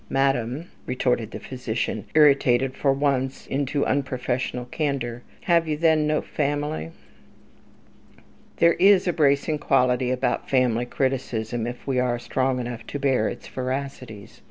"Madam," retorted the physician, irritated for once into unprofessional candour, "have you then no family?" There is a bracing quality about family criticism, if we are strong enough to bear its veracities.